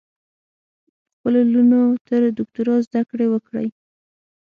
په خپلو لوڼو تر دوکترا ذدکړي وکړئ